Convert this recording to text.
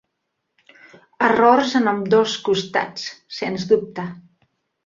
Errors en ambdós costats, sens dubte.